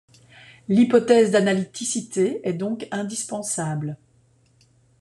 L'hypothèse d'analyticité est donc indispensable.